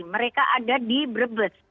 mereka ada di brebet